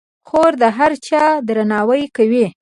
خور د هر چا درناوی کوي.